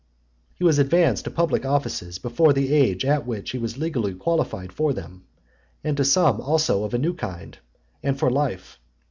XXVI. He was advanced to public offices before the age at which he was legally qualified for them; and to some, also, of a new kind, and for life.